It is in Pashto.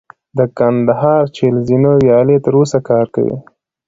د کندهار چل زینو ویالې تر اوسه کار کوي